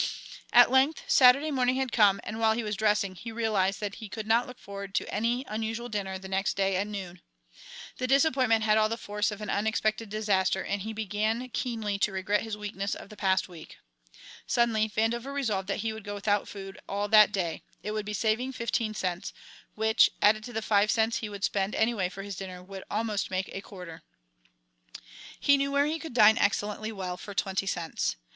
At length Saturday morning had come, and while he was dressing he realized that he could not look forward to any unusual dinner the next day at noon. The disappointment had all the force of an unexpected disaster and he began keenly to regret his weakness of the past week. Suddenly Vandover resolved that he would go without food all that day; it would be a saving of fifteen cents, which, added to the five cents that he would spend anyway for his dinner, would almost make a quarter. He knew where he could dine excellently well for twenty cents.